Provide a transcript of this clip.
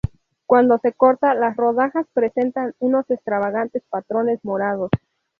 Cuando se corta, las rodajas presentan unos extravagantes patrones morados.